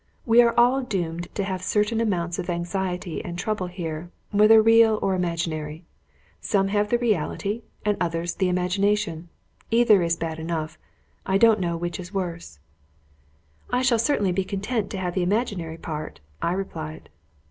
We are all doomed to have a certain amount of anxiety and trouble here, whether real or imaginary. Some have the reality, and others the imagination. Either is bad enough; I don't know which is worse." "I shall certainly be content to have the imaginary part," I replied.